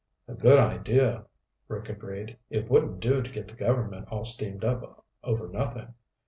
"A good idea," Rick agreed. "It wouldn't do to get the government all steamed up over nothing.